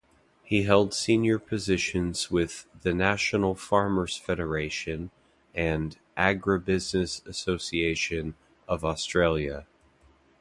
He held senior positions with the National Farmers Federation and Agribusiness Association of Australia.